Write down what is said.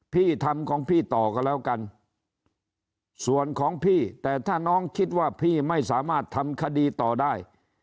พี่ทำของพี่ต่อก็แล้วกันส่วนของพี่แต่ถ้าน้องคิดว่าพี่ไม่สามารถทำคดีต่อได้